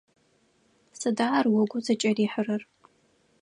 Сыда ар угу зыкӀырихьрэр?